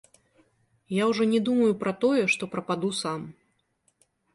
Я ўжо не думаю пра тое, што прападу сам.